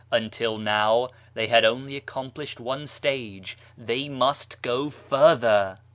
Until now they had only accomplished one stage, they must go further